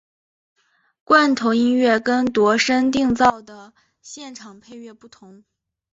罐头音乐跟度身订造的现场配乐不同。